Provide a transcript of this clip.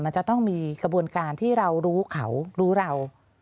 มันจะต้องมีกระบวนการที่เรารู้เขารู้เรา